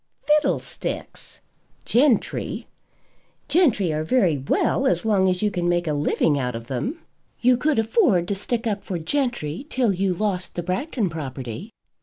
"Fiddlesticks! Gentry! Gentry are very well as long as you can make a living out of them. You could afford to stick up for gentry till you lost the Bragton property."